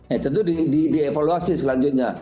itu di evaluasi selanjutnya